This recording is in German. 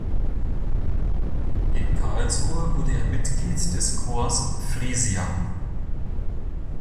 In Karlsruhe wurde er Mitglied des Corps Frisia.